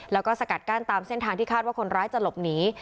แล้วก็สกัดกั้นตามเส้นทางที่คาดว่าคนร้ายจะหลบหนี